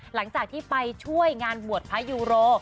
หลังจากที่ไปช่วยงานบวชพระยูโร